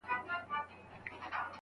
پر زړه هر گړی را اوري ستا یادونه